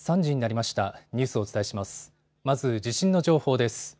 まず地震の情報です。